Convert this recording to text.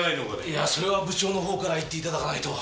いやそれは部長の方から言っていただかないと。